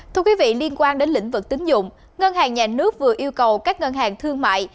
thưa quý vị liên quan đến lĩnh vực tính dụng ngân hàng nhà nước vừa yêu cầu các ngân hàng thương mại